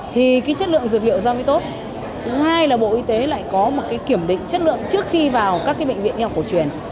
thứ hai là bộ y tế lại có một kiểm định chất lượng trước khi vào các bệnh viện y học cổ truyền